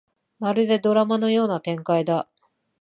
まるでドラマのような展開だ